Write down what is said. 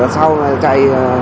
sau này chạy